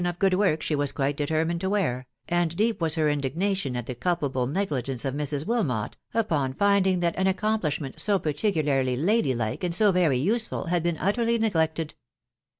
4>f good work she was quite determined to wear, and deep was her indignation at the culpable negligence of Mrs. Wikaot, upon finding that an accomplishment "so particularly lady like, and so vesw useful," had been utterly neglected.